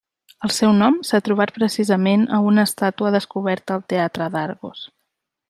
El seu nom s'ha trobat precisament a una estàtua descoberta al teatre d'Argos.